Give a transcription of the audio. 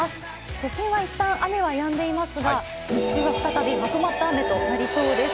都心は一旦雨はやんでいますが、日中は再びまとまった雨となりそうです。